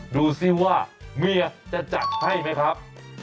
ดูสิว่าเมียจะจัดให้ไหมครับ